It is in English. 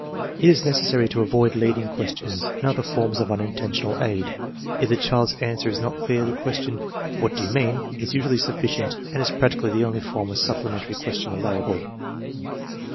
It is necessary to avoid leading questions and other fonnsf of unintentional aid. If the child's answer is not dear, the question " What do you mean? '* is usually sufficient and is practically the only form of supplementary question allowable.